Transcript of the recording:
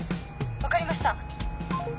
分かりました。